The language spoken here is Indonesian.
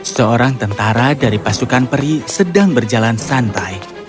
seorang tentara dari pasukan peri sedang berjalan santai